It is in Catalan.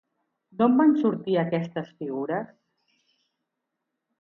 D'on van sortir aquestes figures?